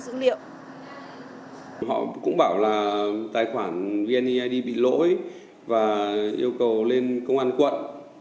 họ cũng bảo là tài khoản vneid bị lỗi và yêu cầu lên công an quận